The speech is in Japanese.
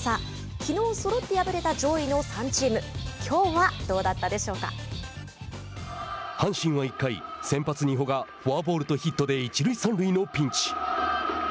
きのうそろって敗れた上位の３チーム阪神は１回、先発二保がフォアボールとヒットで一塁三塁のピンチ。